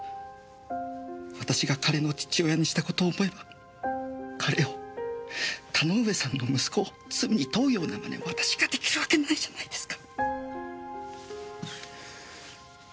私が彼の父親にした事を思えば彼を田ノ上さんの息子を罪に問うような真似私ができるわけないじゃないですか。